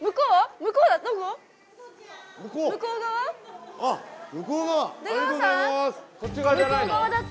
向こう側だって。